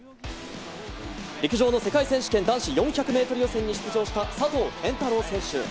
陸上の世界選手権男子４００ｍ予選に出場した佐藤拳太郎選手。